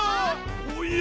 おや？